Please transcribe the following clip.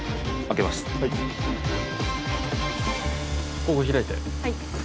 ここ開いてはい